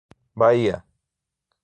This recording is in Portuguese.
Bahia